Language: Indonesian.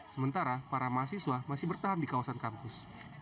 sementara para mahasiswa masih bertahan di kawasan kampus